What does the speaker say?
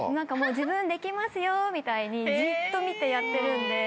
自分できますよみたいにじっと見てやってるんで。